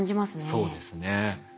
そうですね。